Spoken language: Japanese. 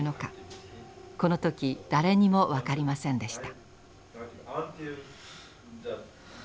この時誰にも分かりませんでした。